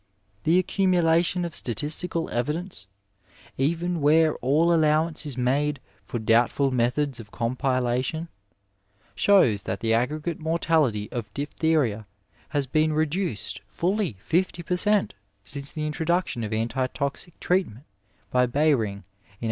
The accumulation of statistical evidence, even where all allowance is made for doubtful methods of compilation, shows that the aggregate mortality of diphtheria has been reduced fully fifty per cent, since the introduction of anti toxic treatment by Behring in 1892.